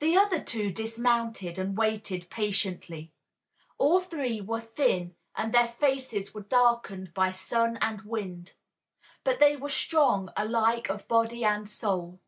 The other two dismounted and waited patiently. All three were thin and their faces were darkened by sun and wind. But they were strong alike of body and soul.